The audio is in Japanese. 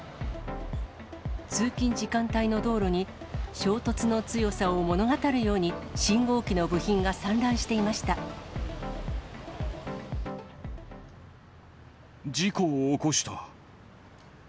通勤時間帯の道路に、衝突の強さを物語るように、信号機の部品が事故を起こした。